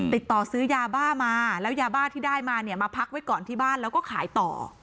ติดต่อซื้อยาบ้ามาแล้วยาบ้าที่ได้มาเนี่ยมาพักไว้ก่อนที่บ้านแล้วก็ขายต่อ